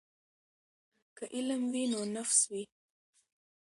که علم وي نو نفس وي.